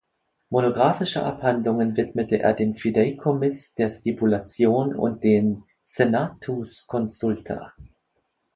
Monographische Abhandlungen widmete er dem Fideikommiss, der Stipulation und den "senatus consulta".